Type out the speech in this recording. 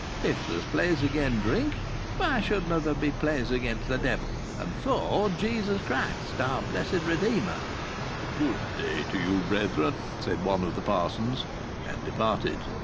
If there's plays agen drink, why shouldna' there be plays agen the devil, and for Jesus Christ, our Blessed Redeemer?" "Good day to you, brethren," said one of the parsons, and departed.